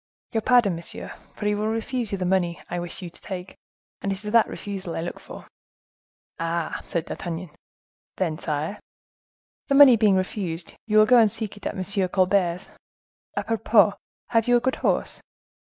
"Your pardon, monsieur; for he will refuse you the money I wish you to take; and it is that refusal I look for." "Ah!" said D'Artagnan. "Then, sire?" "The money being refused, you will go and seek it at M. Colbert's. A propos, have you a good horse?"